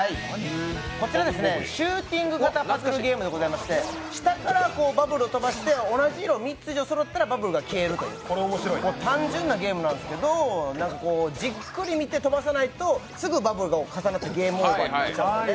こちらシューティング型バブルゲームでございまして、下からバブルを飛ばして同じ色が３つ以上そろったらバブルが消えるという単純なゲームなんですけど、じっくり見て飛ばさないと、すぐバブルが重なってゲームオーバーになっちゃうので。